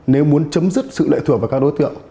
nếu muốn chấm dứt sự lệ thuộc vào các đối tượng